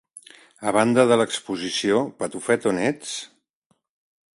A banda de l'exposició "Patufet, on ets?"